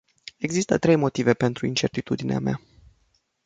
Există trei motive pentru incertitudinea mea.